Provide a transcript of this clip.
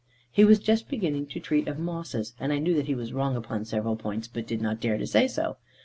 He was just beginning to treat of mosses; and I knew that he was wrong upon several points, but did not dare to say so.